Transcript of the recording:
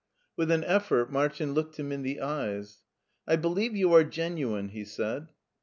With an effort Martin looked him in the eyes. I believe you are genuine," he said.